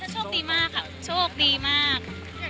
เช่นถึงว่าโชคดีมาก